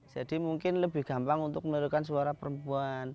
jadi mungkin lebih gampang untuk menurunkan suara perempuan